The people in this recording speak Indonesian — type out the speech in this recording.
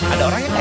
ada orang ya pak d